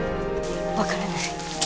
わからない。